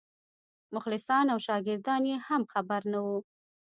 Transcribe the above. مخلصان او شاګردان یې هم خبر نه وو.